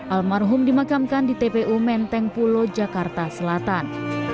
almarhum dimakamkan di tpu menteng pulo jakarta selatan